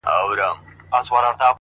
ماسومان زموږ وېريږي ورځ تېرېږي ـ